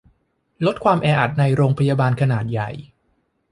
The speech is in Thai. ลดความแออัดในโรงพยาบาลขนาดใหญ่